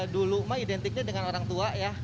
dulu mah identiknya dengan orang tua ya